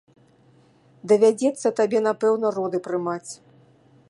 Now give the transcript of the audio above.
Давядзецца табе, напэўна, роды прымаць.